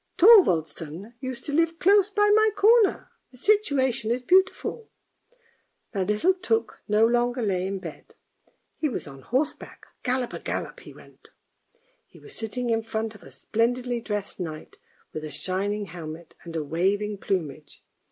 ' Thorvaldsen used to live close by my corner; the situation is beautiful." Now little Tuk no longer lay in bed, he was on horseback. Gallop a gallop he went. He was sitting in front of a splendidly dressed knight with a shining helmet and a waving plume.